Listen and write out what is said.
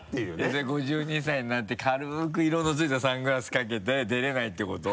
じゃあ５２歳になって軽く色の付いたサングラス掛けて出れないってこと？